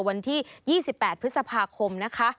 วันที่๒๘พฤษภาคม